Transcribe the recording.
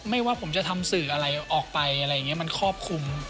ว่าผมจะทำสื่ออะไรออกไปอะไรอย่างนี้มันครอบคลุม